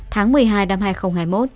tháng một mươi hai năm hai nghìn hai mươi một